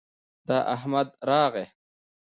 د احمد راغى